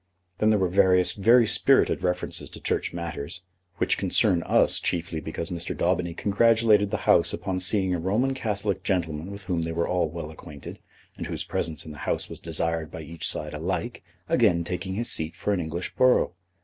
Then there were various very spirited references to Church matters, which concern us chiefly because Mr. Daubeny congratulated the House upon seeing a Roman Catholic gentleman with whom they were all well acquainted, and whose presence in the House was desired by each side alike, again take his seat for an English borough.